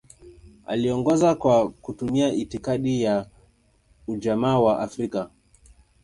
Aliongoza kwa kutumia itikadi ya Ujamaa wa Afrika.